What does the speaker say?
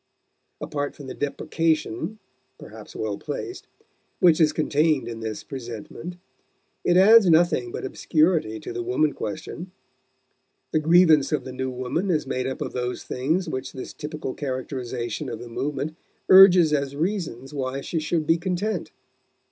Apart from the deprecation perhaps well placed which is contained in this presentment, it adds nothing but obscurity to the woman question. The grievance of the new woman is made up of those things which this typical characterization of the movement urges as reasons why she should be content.